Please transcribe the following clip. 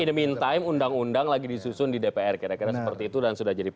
in the mean time undang undang lagi disusun di dpr kira kira seperti itu dan sudah jadi